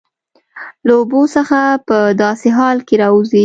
له اوبو څخه په داسې حال کې راوځي